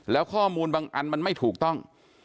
แล้วข้อมูลบางอันมันไม่ถูกต้อง